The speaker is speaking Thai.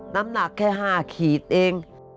น้ำหนักแค่๕ขีดเอง